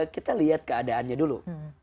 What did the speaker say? kita lihat keadaannya dulu